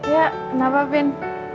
ya kenapa vin